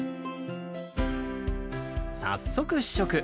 早速試食。